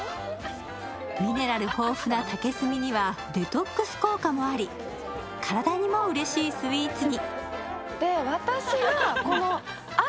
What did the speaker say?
ミネラル豊富な竹炭には、デトックス効果もあり、体にもうれしいスイーツに。